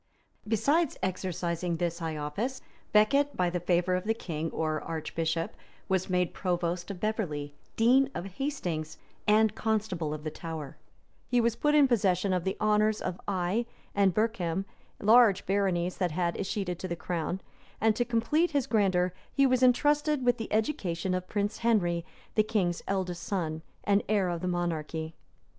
Besides exercising this high office, Becket by the favor of the king or archbishop, was made provost of Beverley, dean of Hastings, and constable of the Tower: he was put in possession of the honors of Eye and Berkham large baronies that had escheated to the crown; and to complete his grandeur, he was intrusted with the education of Prince Henry, the king's eldest son, and heir of the monarchy.